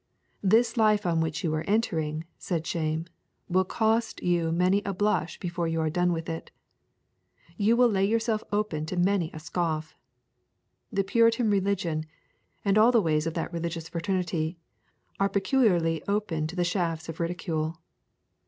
This life on which you are entering, said Shame, will cost you many a blush before you are done with it. You will lay yourself open to many a scoff. The Puritan religion, and all the ways of that religious fraternity, are peculiarly open to the shafts of ridicule.